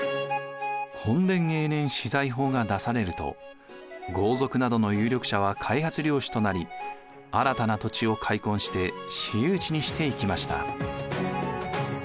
墾田永年私財法が出されると豪族などの有力者は開発領主となり新たな土地を開墾して私有地にしていきました。